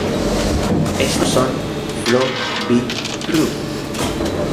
Estos son: Flo, Vi, Ru.